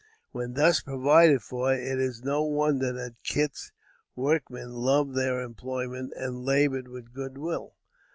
When thus provided for, it is no wonder that Kit's workmen loved their employment and labored with good will.